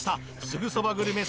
「すぐそばグルメ」